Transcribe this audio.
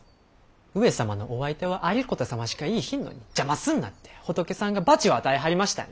上様のお相手は有功様しかいいひんのに邪魔すんなって仏さんが罰を与えはりましたんや！